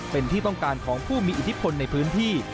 เป็นที่ต้องการของผู้มีอิทธิพลในพื้นที่